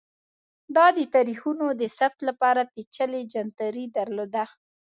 دا د تاریخونو د ثبت لپاره پېچلی جنتري درلوده